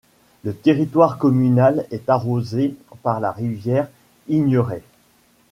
Le territoire communal est arrosé par la rivière Igneraie.